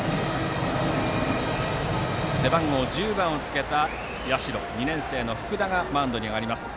背番号１０番をつけた、社２年生の福田がマウンドに上がります。